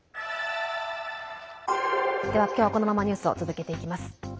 では今日はこのままニュースを続けていきます。